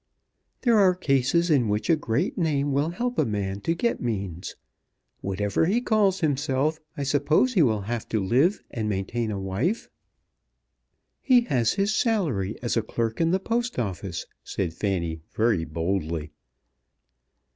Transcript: "There are cases in which a great name will help a man to get means. Whatever he calls himself, I suppose he will have to live, and maintain a wife." "He has his salary as a clerk in the Post Office," said Fanny very boldly.